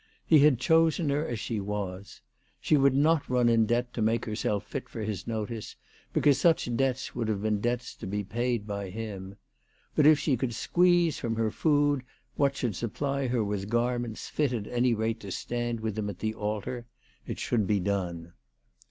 He had chosen her as she was. THE TELEGRAPH GIRL. 317 She would not run in debt to make herself fit for his notice, because such debts would have been debts to be paid by him. But if she could squeeze from her food what should supply her with garments fit at any rate to stand with him at the altar it should be done.